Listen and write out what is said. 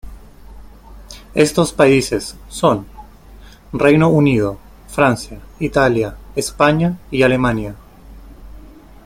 Estos países son: Reino Unido, Francia, Italia, España y Alemania.